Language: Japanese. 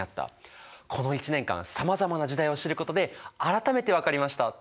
この一年間さまざまな時代を知ることで改めて分かりました。